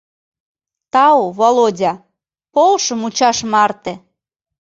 Тау, Володя, полшо мучаш марте...